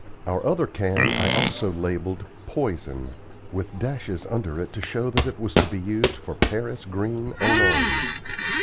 Our other can I also labelled "Poison," with dashes under it to show that it was to be used for Paris green alone.